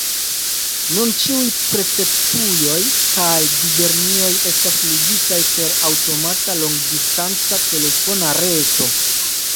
Nun ĉiuj prefektujoj kaj gubernioj estas ligitaj per aŭtomata longdistanca telefona reto.